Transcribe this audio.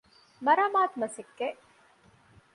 މަރާމާތު މަސައްކަތް